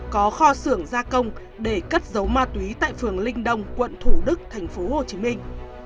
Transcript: có kho xưởng gia công để cất giấu ma túy tại phường linh đông quận thủ đức thành phố hồ chí minh